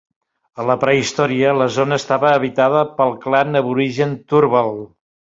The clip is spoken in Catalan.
A la prehistòria, la zona estava habitada pel clan aborigen Turrbal.